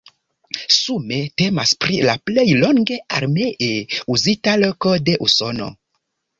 Sume temas pri la plej longe armee uzita loko de Usono.